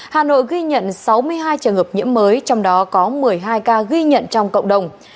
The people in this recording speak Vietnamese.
hà nội ghi nhận sáu mươi hai trường hợp nhiễm mới trong đó có một mươi hai ca ghi nhận trong cộng đồng